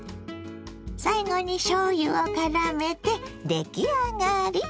最後にしょうゆをからめて出来上がり。